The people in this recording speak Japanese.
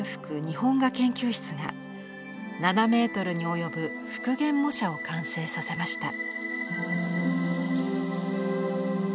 日本画研究室が７メートルに及ぶ復元模写を完成させました。